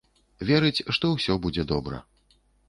Верыць, што ўсё будзе добра.